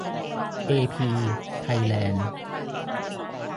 เอพี ไทยแลนด์